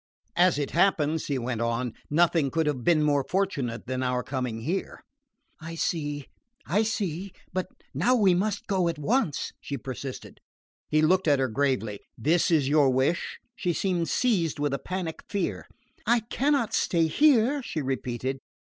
"As it happens," he went on, "nothing could have been more fortunate than our coming here." "I see I see ; but now we must go on at once," she persisted. He looked at her gravely. "This is your wish?" She seemed seized with a panic fear. "I cannot stay here!" she repeated.